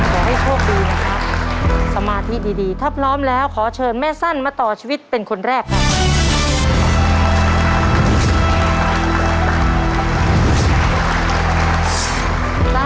ขอให้โชคดีนะครับสมาธิดีถ้าพร้อมแล้วขอเชิญแม่สั้นมาต่อชีวิตเป็นคนแรกครับ